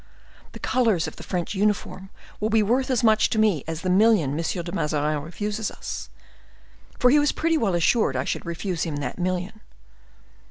The colors of the French uniform will be worth as much to me as the million M. de Mazarin refuses us,'—for he was pretty well assured I should refuse him that million.